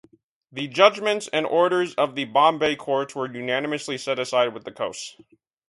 The judgments and orders of the Bombay courts were unanimously set aside with costs.